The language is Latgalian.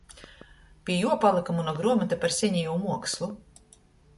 Pi juo palyka muna gruomota par senejū muokslu.